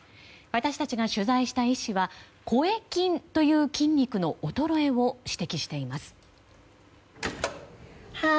私たちが取材した医師は声筋という筋肉の衰えを指摘しています。